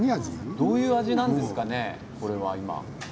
どういう味なんですか？